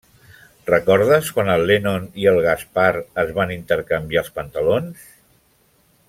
Recordes quan el Lennon i el Gaspart es van intercanviar els pantalons?